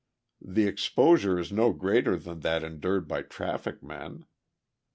The exposure is no greater than that endured by traffic men.